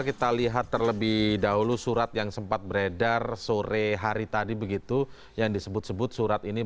kalian di ldpt perdagangan